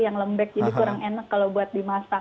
yang lembek jadi kurang enak kalau buat dimasak